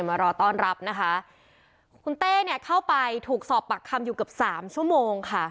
มารอต้อนรับนะคะคุณเต้เนี่ยเข้าไปถูกสอบปากคำอยู่เกือบสามชั่วโมงค่ะ